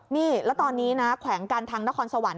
นี่แล้วตอนนี้นะแขวงการทางนครสวรรค